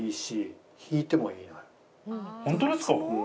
本当ですか？